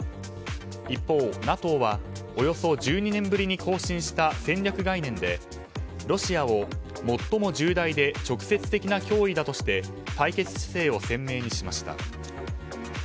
一方、ＮＡＴＯはおよそ１２年ぶりに更新した戦略概念でロシアを最も重大で直接的な脅威だとして対決姿勢を鮮明にしました。